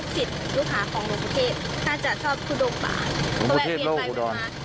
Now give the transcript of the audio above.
จากงานก็แบบนี้ครับตั้งอะไรก็ที่จะนำกันมา